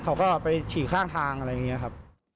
เขาก็ไปฉี่ข้างทางอะไรอย่างนี้ครับ